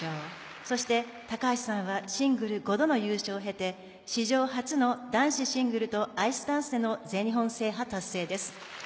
そして高橋さんはシングル５度の優勝を経て史上初の男子シングルとアイスダンスの全日本制覇達成です。